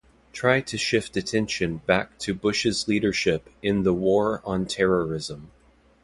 Try to shift attention back to Bush's leadership in the war on terrorism.